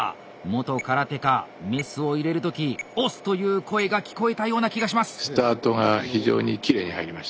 元空手家メスを入れる時「押忍！」というような声が聞こえたような気がします。